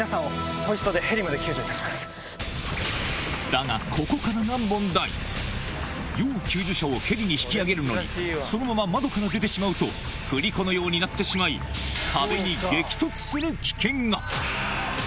だが要救助者をヘリに引き上げるのにそのまま窓から出てしまうと振り子のようになってしまい壁に激突する危険が！